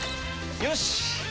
よし！